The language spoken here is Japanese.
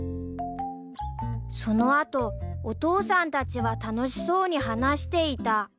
［その後お父さんたちは楽しそうに話していた］